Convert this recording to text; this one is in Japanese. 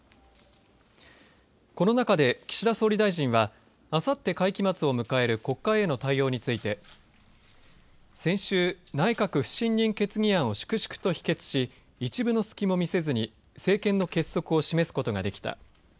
この中で岸田総理大臣はあさって会期末を迎える国会への対応について先週内閣不信任決議案を粛々と否決し一分の隙も見せずに政権の結束を示すことができた。